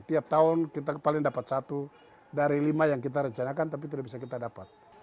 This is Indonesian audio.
tiap tahun kita paling dapat satu dari lima yang kita rencanakan tapi tidak bisa kita dapat